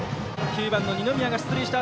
９番の二宮が出塁した